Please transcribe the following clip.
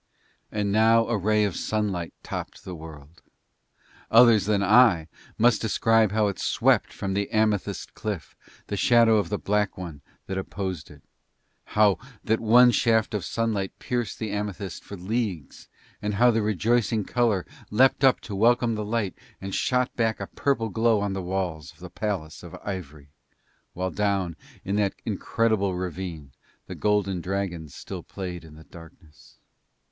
And now a ray of sunlight topped the world. Others than I must describe how it swept from the amethyst cliff the shadow of the black one that opposed it, how that one shaft of sunlight pierced the amethyst for leagues, and how the rejoicing colour leaped up to welcome the light and shot back a purple glow on the walls of the palace of ivory while down in that incredible ravine the golden dragons still played in the darkness.